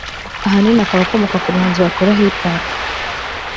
ahanini akaba akomoka ku bahanzi bakora Hip Hop